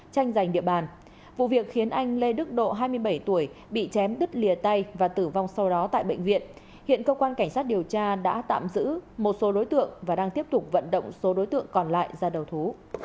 cảnh sát điều tra đã tạm giữ một số đối tượng và đang tiếp tục vận động số đối tượng còn lại ra đầu thú